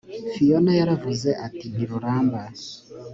fiona yaravuze ati ntiruramba